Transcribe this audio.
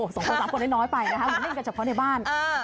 สองคนสามคนน้อยไปนะคะเหมือนเล่นกันเฉพาะในบ้าน